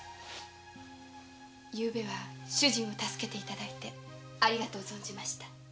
昨晩は主人を助けて頂いてありがとう存じました。